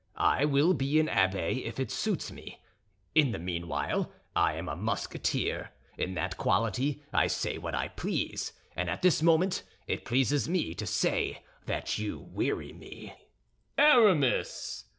I will be an abbé if it suits me. In the meanwhile I am a Musketeer; in that quality I say what I please, and at this moment it pleases me to say that you weary me." "Aramis!"